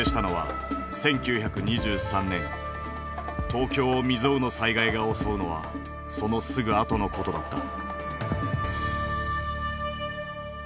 東京を未曽有の災害が襲うのはそのすぐあとのことだった。